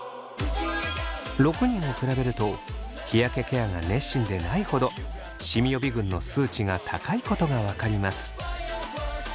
６人を比べると日焼けケアが熱心でないほどシミ予備軍の数値が高いことが分かります。